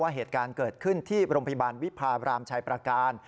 เหตุการณ์เกิดขึ้นที่โรงพยาบาลวิพาบรามชายประการ